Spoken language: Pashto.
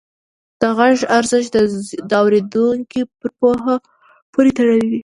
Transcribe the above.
د غږ ارزښت د اورېدونکي پر پوهه پورې تړلی دی.